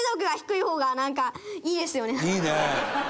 いいね！